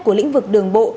của lĩnh vực đường bộ